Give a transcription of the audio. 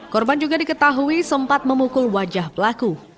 korban juga diketahui sempat memukul wajah pelaku